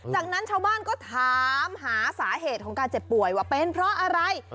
จากนั้นชาวบ้านก็ถามหาสาเหตุของการเจ็บป่วยว่าเป็นเพราะอะไร